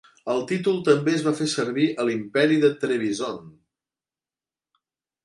El títol també es va fer servir a l'Imperi de Trebizond.